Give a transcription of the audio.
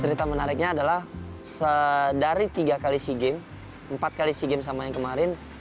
cerita menariknya adalah dari tiga kali sea games empat kali sea games sama yang kemarin